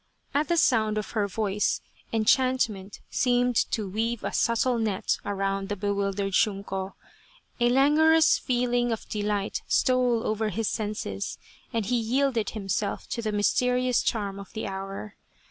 At the sound of her voice, enchantment seemed to weave a subtle net around the bewildered Shunko ; a languorous feeling of delight stole over his senses, and he yielded himself to the mysterious charm of the hour.